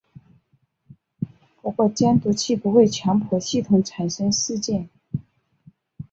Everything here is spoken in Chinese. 不过监督器不会强迫系统产生事件。